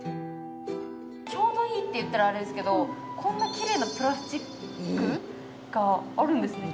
ちょうどいいと言ったらあれですけど、こんなにちょうどいいプラスチックがあるんですね。